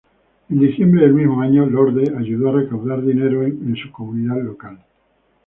En diciembre del mismo año, Lorde ayudó a recaudar dinero en su comunidad local.